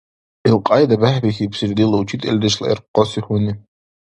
Илкьяйда бехӀбихьибсири дила учительдешла гӀеркъаси гьуни.